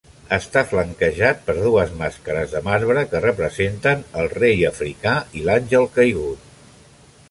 Està flanquejat per dues mascares de marbre que representen el rei africà i l'àngel caigut.